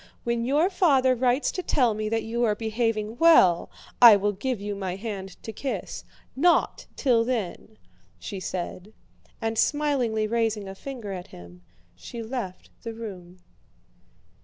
When your father writes to tell me that you are behaving well I will give you my hand to kiss. Not till then!" she said. And smilingly raising a finger at him, she left the room.